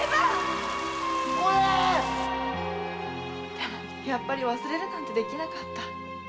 でもやっぱり忘れるなんてできなかった。